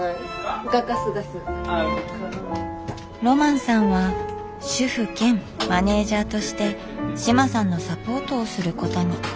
ロマンさんは主夫兼マネージャーとして志麻さんのサポートをすることに。